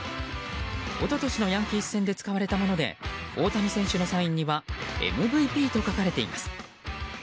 一昨年のヤンキース戦で使われたもので大谷選手のサインにはＭＶＰと書かれています。